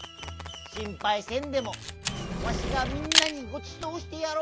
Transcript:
しんぱいせんでもわしがみんなにごちそうしてやろう。